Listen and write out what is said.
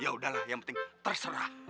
yaudahlah yang penting terserah